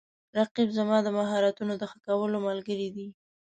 رقیب زما د مهارتونو د ښه کولو ملګری دی